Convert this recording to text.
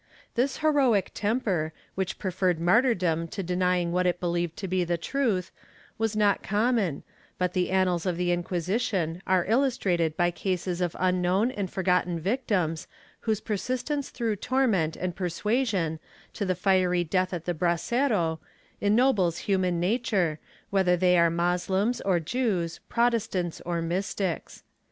This heroic temper, which preferred martyrdom to denying what it believed to be the truth, was not common, but the annals of the Inquisition are illustrated by cases of unknown and forgotten victims, whose persistence through torment and persuasion, to the fiery death at the brasero, ennobles human nature, whether they were Moslems or Jews, Protestants or Mystics.